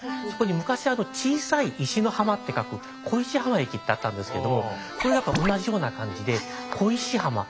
そこに昔「小さい」「石」の「浜」って書く小石浜駅ってあったんですけれどもこれ何か同じような感じで「恋し浜」。